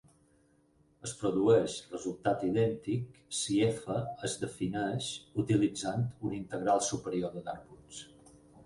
Es produeix resultat idèntic si "F" es defineix utilitzant un integral superior de Darboux.